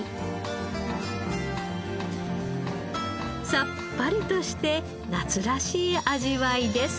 さっぱりとして夏らしい味わいです。